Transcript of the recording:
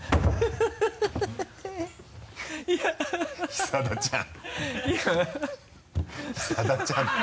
久田ちゃんって。